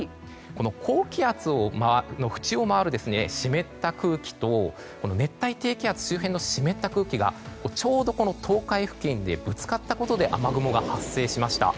高気圧の縁を回る湿った空気と熱帯低気圧周辺の湿った空気がちょうど東海付近でぶつかったことで雨雲が発生しました。